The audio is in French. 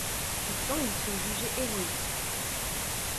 Pourtant il se jugeait héroïque.